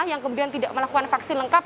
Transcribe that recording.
yang kemudian tidak melakukan vaksin lengkap